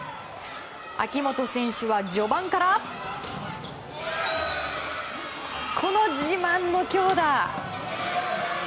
秋本選手は序盤からこの自慢の強打。